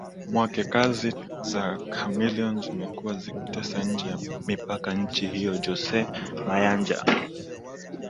mwake kazi za Chameleon zimekuwa zikitesa nje ya mipaka ya nchi hiyo Jose Mayanja